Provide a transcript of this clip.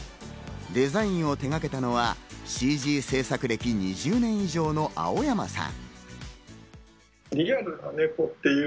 デザインを手がけたのはＣＧ制作歴２０年以上の青山さん。